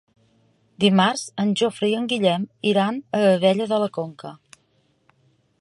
Dimarts en Jofre i en Guillem iran a Abella de la Conca.